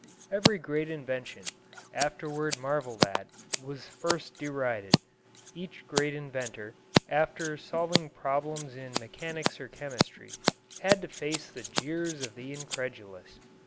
Every great invention, afterward marvelled at, was first derided. Each great inventor, after solving problems in mechanics or chemistry, had to face the jeers of the incredulous.